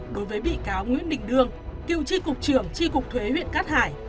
đối với bị cáo nguyễn đình đương cựu tri cục trưởng tri cục thuế huyện cát hải